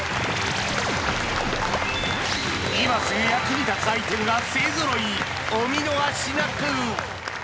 今すぐ役に立つアイテムが勢揃いお見逃しなく！